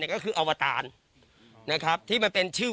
ปู่มหาหมุนีบอกว่าตัวเองอสูญที่นี้ไม่เป็นไรหรอก